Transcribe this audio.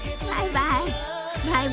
バイバイ。